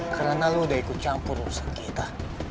karena lo udah ikut campur urusan kita